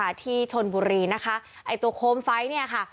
ที่ชนบุรีนะคะไอ้ตัวโคมไฟเนี่ยค่ะ